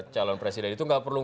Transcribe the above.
calon presiden itu nggak perlu